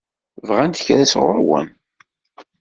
Bɣant kra sɣur-wen?